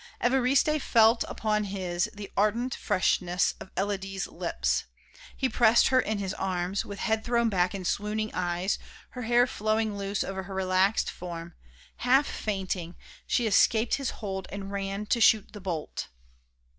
Évariste felt upon his the ardent freshness of Élodie's lips. He pressed her in his arms; with head thrown back and swooning eyes, her hair flowing loose over her relaxed form, half fainting, she escaped his hold and ran to shoot the bolt....